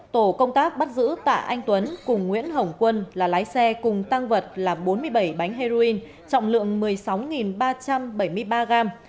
tổ công tác bắt giữ tạ anh tuấn cùng nguyễn hồng quân là lái xe cùng tăng vật là bốn mươi bảy bánh heroin trọng lượng một mươi sáu ba trăm bảy mươi ba gram